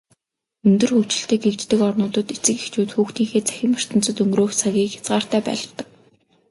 Өндөр хөгжилтэй гэгддэг орнуудад эцэг эхчүүд хүүхдүүдийнхээ цахим ертөнцөд өнгөрөөх цагийг хязгаартай байлгадаг.